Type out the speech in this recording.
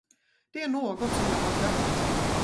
Det är något, som jag har glömt.